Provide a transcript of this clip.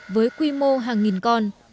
với quy mô hàng nghìn con